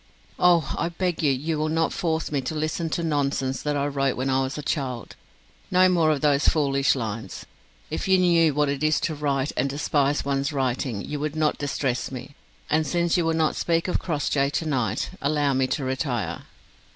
'" "Oh, I beg you will not force me to listen to nonsense that I wrote when I was a child. No more of those most foolish lines! If you knew what it is to write and despise one's writing, you would not distress me. And since you will not speak of Crossjay to night, allow me to retire."